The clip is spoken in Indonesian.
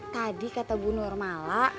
tadi kata bu nur malah